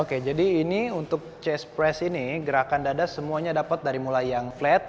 oke jadi ini untuk chest press ini gerakan dada semuanya dapat dari mulai yang flat